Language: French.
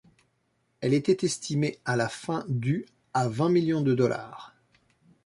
Elle était estimée à la fin du à vingt millions de dollars.